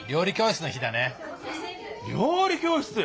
料理教室！？